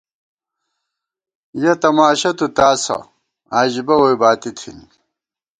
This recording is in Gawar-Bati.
یَہ تماشہ تُو تاسہ عجیبہ ووئی باتی تھنی